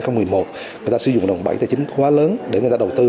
người ta sử dụng đồng bãi tài chính quá lớn để người ta đầu tư